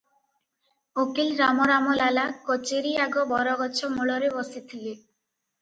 ଓକିଲ ରାମରାମ ଲାଲା କଚେରୀ ଆଗ ବରଗଛ ମୂଳରେ ବସିଥିଲେ ।